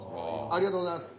ありがとうございます。